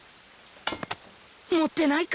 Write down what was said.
持ってないか！